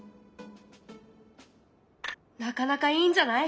なかなかいいんじゃない？